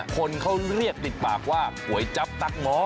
คนเขาเรียกติดปากว่าก๋วยจับตั๊กหมอ